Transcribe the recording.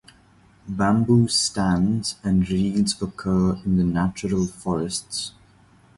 Bamboo stands and reeds occur in the natural forests.